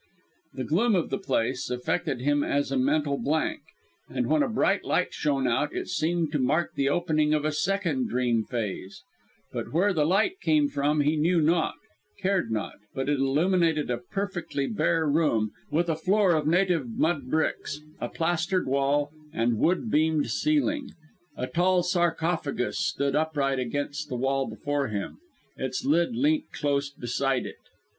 The gloom of the place effected him as a mental blank, and, when a bright light shone out, it seemed to mark the opening of a second dream phase. From where the light came, he knew not, cared not, but it illuminated a perfectly bare room, with a floor of native mud bricks, a plastered wall, and wood beamed ceiling. A tall sarcophagus stood upright against the wall before him; its lid leant close beside it